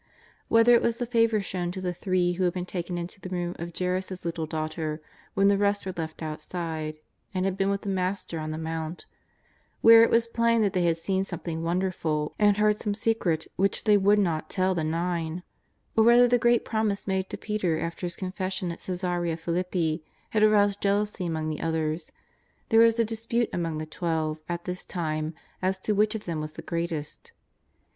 Whether it was the favour shown to the three who had been taken into the room of Jairus' little daughter when the rest were left outside, and had been with the Master on the Mount, where it was plain they had seen something wonderful and heard some secret which they would not tell the nine; or whether the great promise made to Peter after his confession at Caesarea Philippi had aroused jealousy among the others, there was a dispute among the Twelve at this time as to which of them was the greatest.